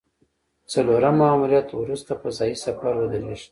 څلورم ماموریت وروسته فضايي سفر ودرېږي